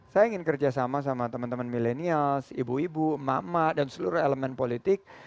saya ingin kerjasama sama teman teman milenial ibu ibu emak emak dan seluruh elemen politik